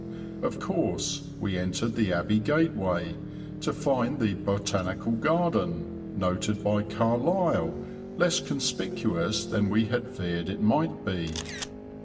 Of course, we entered the Abbey Gateway, to find the Botanical Garden, noted by Carlyle, less conspicuous than we had feared it might be.